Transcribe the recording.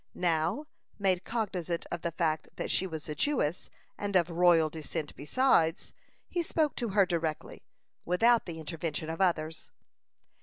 Now made cognizant of the fact that she was a Jewess, and of royal descent besides, he spoke to her directly, without the intervention of others.